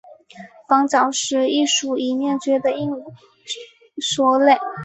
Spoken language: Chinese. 房角石是一属已灭绝的鹦鹉螺类。